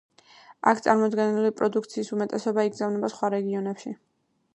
აქ წარმოებული პროდუქციის უმეტესობა იგზავნება სხვა რეგიონებში.